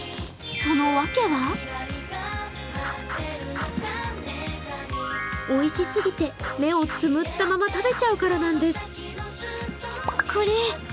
その訳はおいしすぎて目をつむったまま食べちゃうからなんです。